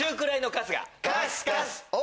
カスカス！